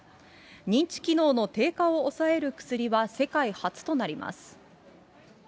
認知機能の低下を抑える薬は世界初となります。